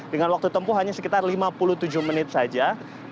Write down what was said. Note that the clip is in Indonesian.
dengan waktu tempuh hanya sekitar lima puluh tujuh menit saja